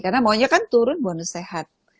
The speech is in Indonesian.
karena maunya kan turun bonus sehat